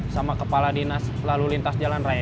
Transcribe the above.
sama kepala dinas lalu lintas jalan raya